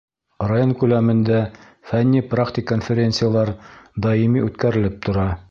Район күләмендә фәнни практик конференциялар даими үткәрелеп тора.